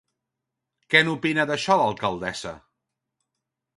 Què n'opina d'això l'alcaldessa?